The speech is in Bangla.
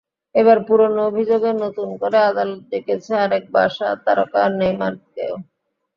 এবার পুরোনো অভিযোগে নতুন করে আদালত ডেকেছে আরেক বার্সা তারকা নেইমারকেও।